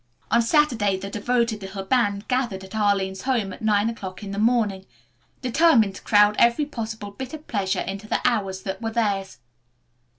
On Saturday the devoted little band gathered at Arline's home at nine o'clock in the morning, determined to crowd every possible bit of pleasure into the hours that were theirs.